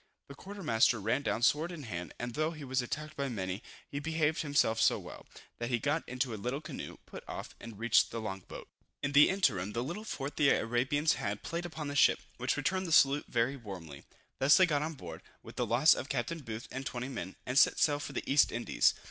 The quarter master ran down sword in hand, and though he was attacked by many, he behaved himself so well, that he got into a little canoe, put off, and reached the long boat. In the interim, the little fort the Arabians had, played upon the ship, which returned the salute very warmly. Thus they got on board, with the loss of Captain Booth and 20 men, and set sail for the East Indies.